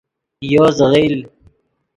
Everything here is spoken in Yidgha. یو زیغیل